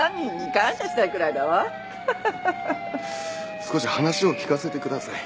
少し話を聞かせてください。